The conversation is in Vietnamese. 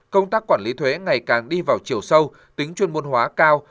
công tác quản lý thuế ngày càng đi vào chiều sâu tính chuyên môn hóa cao